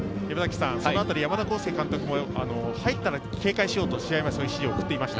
山田耕介監督も入ったら警戒しようと試合前に指示を送っていました。